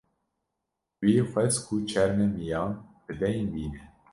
wî xwest ku çermê miyan bi deyn bîne